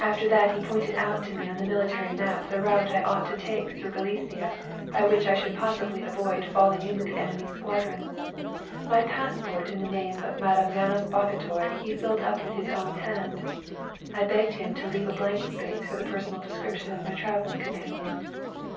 "After that he pointed out to me on the military map the route I ought to take through Galicia, by which I should possibly avoid falling in with the enemy's squadrons. My passport in the name of Madame János Bagotay he filled up with his own hand. I begged him to leave a blank space for the personal description of my travelling companion.